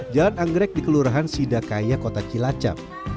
jalan anggrek di kelurahan sidakaya kota cilacap